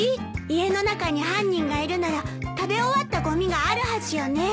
家の中に犯人がいるなら食べ終わったごみがあるはずよね。